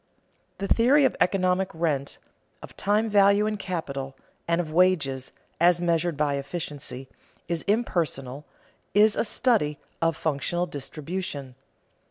The theory of economic rent, of time value and capital, and of wages, as measured by efficiency, is impersonal, is a study of functional distribution.